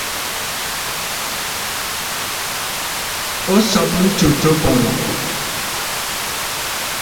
O sɔ̀bə ntsu tǒ bɔ̀rɨkòò.